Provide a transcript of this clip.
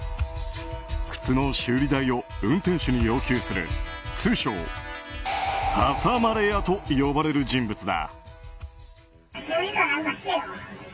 靴の修理代を運転手に要求する通称挟まれ屋と呼ばれる人物だ。